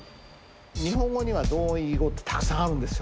日本語には同音異義語ってたくさんあるんですよ。